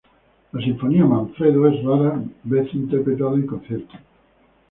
La Sinfonía "Manfredo" es rara vez interpretada en concierto.